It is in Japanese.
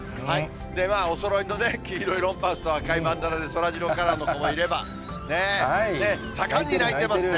ではおそろいの黄色ロンパースと赤いのそらジローの子もいれば、盛んに泣いてますね。